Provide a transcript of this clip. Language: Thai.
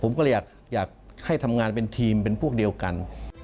ผมก็เลยอยากให้ทำงานเป็นทีมเป็นพวกเดียวกัน